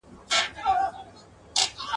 مینه مو زړه ده پیوند سوې له ازله !.